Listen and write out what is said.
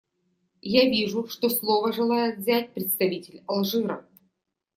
Я вижу, что слово желает взять представитель Алжира.